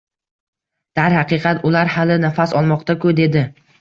— Darhaqiqat, ular hali nafas olmoqda-ku? — dedi.